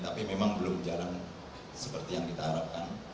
tapi memang belum jarang seperti yang kita harapkan